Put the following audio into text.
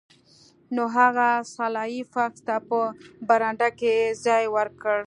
نو هغه سلای فاکس ته په برنډه کې ځای ورکړ